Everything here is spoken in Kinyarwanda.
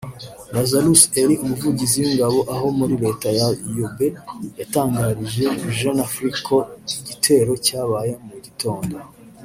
Lazarus Eli umuvugizi w’ingabo aho muri leta ya Yobe yatangarije Jeunafrique ko igitero cyabaye mu gitondo